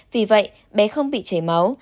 vì vậy bé không bị chảy máu